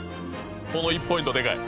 この１ポイントでかい。